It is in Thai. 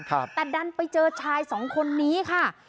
แต่ดันไปเจอชายสองคนนี้ค่ะ